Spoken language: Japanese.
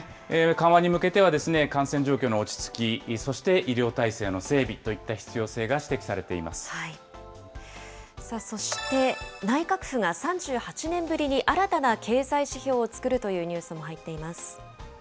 緩和に向けては、感染状況の落ち着き、そして医療体制の整備といそして内閣府が３８年ぶりに新たな経済指標を作るというニュースも入っています。